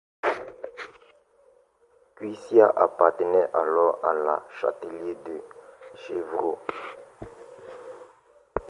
Cuisia appartenait alors à la châtellenie de Chevreaux.